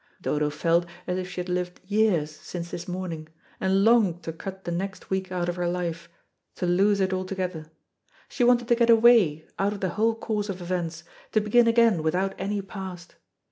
Dodo felt as if she had lived years since this morning, and longed to cut the next week out of her life, to lose it altogether. She wanted to get away out of the whole course of events, to begin again without any past.